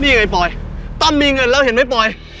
นี่ไงปลอยตั้มมีเงินแล้วเห็นไหมปลอย